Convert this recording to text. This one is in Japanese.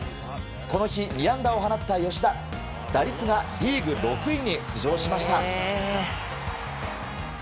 この日、２安打を放った吉田打率がリーグ６位に浮上しました。